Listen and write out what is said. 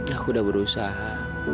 aku udah berusaha